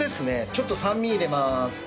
ちょっと酸味入れます。